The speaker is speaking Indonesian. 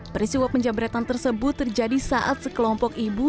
perisiwa penjamretan tersebut terjadi saat sekelompok ibu